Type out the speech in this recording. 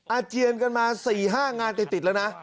อาเจียนกันมา๔๕งานติดแล้วนะ